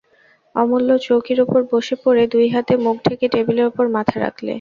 অমূল্য চৌকির উপর বসে পড়ে দুই হাতে মুখ ঢেকে টেবিলের উপর মাথা রাখলে।